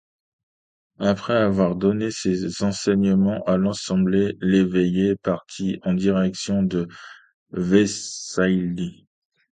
Après avoir donné ses enseignements à l'assemblée, l'Éveillé partit en direction de Vaiśāli.